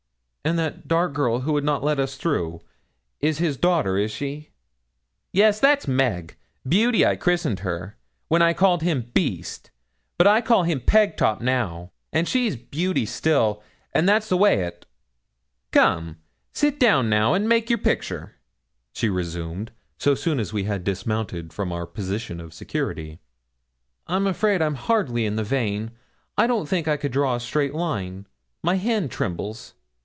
'And that dark girl who would not let us through, is his daughter, is she?' 'Yes, that's Meg Beauty, I christened her, when I called him Beast; but I call him Pegtop now, and she's Beauty still, and that's the way o't.' 'Come, sit down now, an' make your picture,' she resumed so soon as we had dismounted from our position of security. 'I'm afraid I'm hardly in the vein. I don't think I could draw a straight line. My hand trembles.'